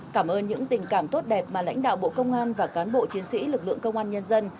cảm ơn những tình cảm tốt đẹp mà lãnh đạo bộ công an và cán bộ chiến sĩ lực lượng công an nhân dân